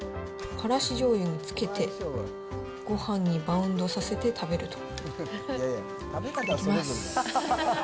からしじょうゆにつけて、ごはんにバウンドさせて食べると。